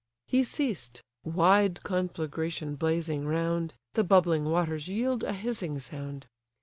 He ceased; wide conflagration blazing round; The bubbling waters yield a hissing sound.